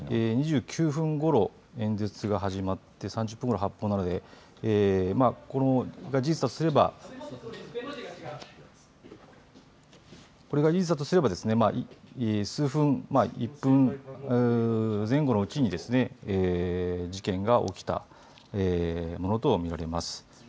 ２９分ごろ、演説が始まって３０分ごろ発砲なのでこれが事実だとすれば１分前後のうちに事件が起きたものと見られます。